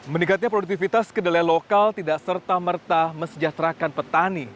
meningkatnya produktivitas kedelai lokal tidak serta merta mesejahterakan petani